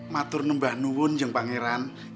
maturnumbah nuwun jang pangeran